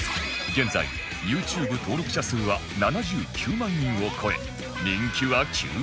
現在 ＹｏｕＴｕｂｅ 登録者数は７９万人を超え人気は急上昇